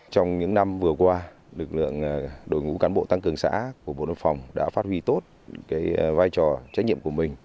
trong những năm vừa qua lực lượng đội ngũ cán bộ tăng cường xã của bộ đội biên phòng đã phát huy tốt vai trò trách nhiệm của mình